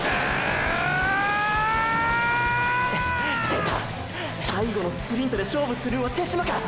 出た⁉最後のスプリントで勝負するんは手嶋か！！